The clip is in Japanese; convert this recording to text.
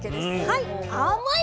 はい。